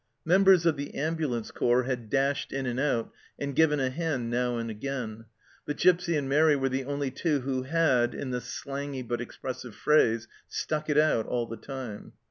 Members of the ambulance corps had dashed in and out and given a hand now and again, but Gipsy and Mairi were the only two who had, in the slangy but expressive phrase, " stuck it out " all the time.